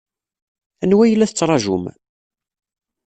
Anwa ay la tettṛajum?